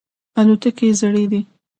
الوتکې یې زړې دي.